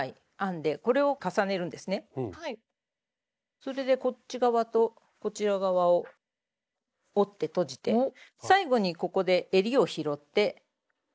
それでこっち側とこちら側を折ってとじて最後にここでえりを拾って終わりです。